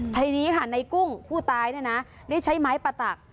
ทีนี้ค่ะในกุ้งผู้ตายเนี่ยนะได้ใช้ไม้ปะตัก